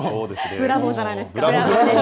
ブラボーじゃないですか。